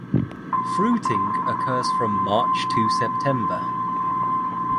Fruiting occurs from March to September.